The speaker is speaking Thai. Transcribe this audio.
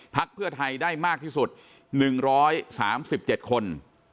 เพื่อไทยได้มากที่สุด๑๓๗คน